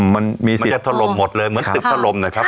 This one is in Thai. มันมีสิทธิ์มันจะทะลมหมดเลยเหมือนตึกทะลมนะครับใช่ค่ะ